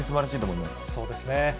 そうですね。